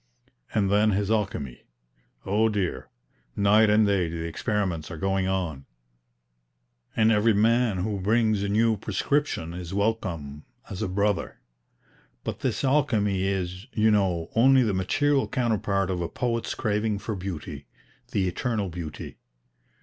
And then his alchemy! Oh dear, night and day the experiments are going on, and every man who brings a new prescription is welcome as a brother. But this alchemy is, you know, only the material counterpart of a poet's craving for Beauty, the eternal Beauty.